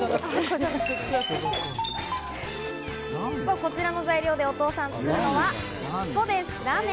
こちらの材料でお父さんが作るのは、そうです、ラーメン！